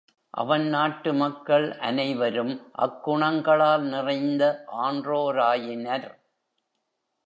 அவன் நாட்டு மக்கள் அனைவரும் அக் குணங்களால் நிறைந்த ஆன்றோராயினர்.